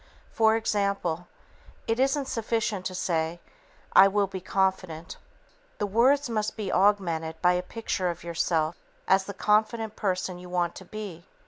For example, it isn't sufficient to say, "I will be confident." The words must be augmented by a picture of yourself as the confident person you want to be.